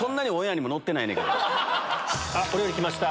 お料理きました